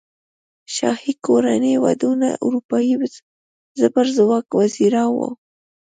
شاهي کورنۍ کې ودونو اروپايي زبرځواک وزېږاوه.